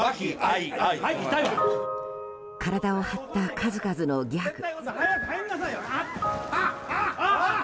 体を張った数々のギャグ。